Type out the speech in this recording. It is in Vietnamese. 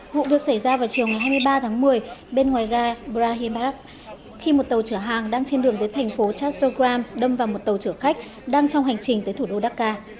vụ việc xảy ra vào chiều ngày hai mươi ba tháng một mươi bên ngoài gà burj al arab khi một tàu chở hàng đang trên đường tới thành phố chastogram đâm vào một tàu chở khách đang trong hành trình tới thủ đô dhaka